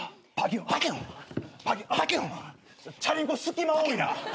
チャリンコ隙間多いな！